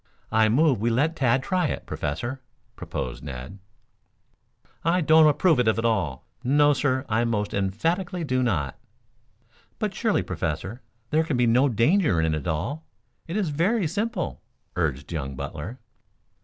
"I move we let Tad try it, Professor," proposed Ned. "I don't approve of it at all. No, sir, I most emphatically do not." "But surely, Professor, there can be no danger in it at all. It is very simple," urged young Butler.